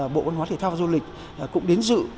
bộ văn hóa thể thao và du lịch cũng đến dự